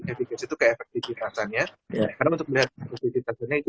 efek krisi itu keefektifitasannya karena untuk melihat efektifitasnya itu